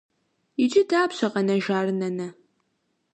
Иджы дапщэ къэнэжар, нанэ?